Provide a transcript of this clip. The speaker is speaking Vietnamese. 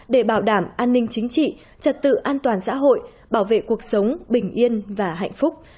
để bảo đảm an ninh chính trị trật tự an toàn xã hội bảo vệ cuộc sống bình yên và hạnh phúc